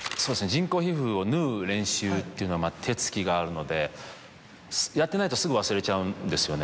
人工皮膚を縫う練習というのは手つきがあるのでやってないとすぐ忘れちゃうんですよね。